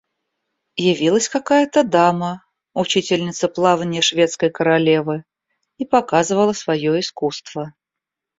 Явилась какая-то дама, учительница плаванья Шведской королевы, и показывала свое искусство.